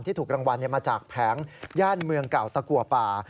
ถูกรางวัลมาจากแผงย่านเมืองเก่าตะกัวป่า